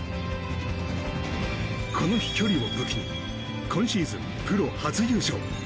この飛距離を武器に今シーズン、プロ初優勝。